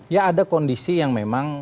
ya ada kondisi yang memang